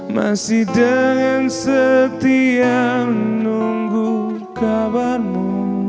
masih dengan setia menunggu kabarmu